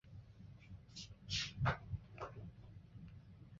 据潘石屹在微博上曾经自述大伯潘钟麟是掉进黄河。